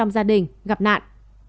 trong gia đình gặp nạn